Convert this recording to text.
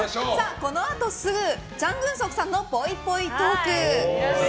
このあとすぐチャン・グンソクさんのぽいぽいトーク。